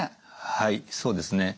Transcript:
はいそうですね。